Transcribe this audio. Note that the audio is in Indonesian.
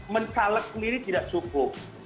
mencaleg sendiri tidak cukup